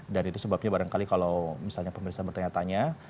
dan itu sebabnya barangkali kalau misalnya pemirsa bertanya tanya